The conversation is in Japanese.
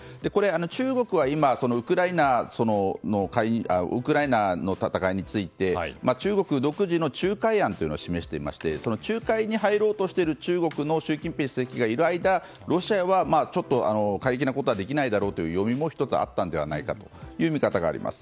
中国は今ウクライナの戦いについて中国独自の仲介案というのを示していましてその仲介に入ろうとしている中国の習近平主席がいる間はロシアは過激なことはできないだろうという要因も１つ、あったのではないかという見方があります。